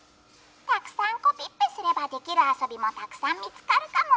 たくさんコピッペすればできるあそびもたくさん見つかるかもね。